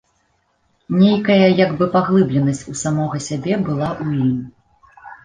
Нейкая як бы паглыбленасць у самога сябе была ў ім.